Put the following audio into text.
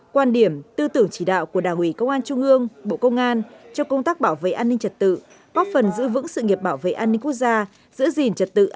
quan điểm tư tưởng chỉ đạo của đảng ủy công an trung hương bộ công an cho công tác bảo vệ an ninh trật tự